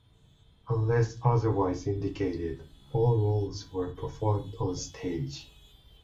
Unless otherwise indicated, all roles were performed on stage.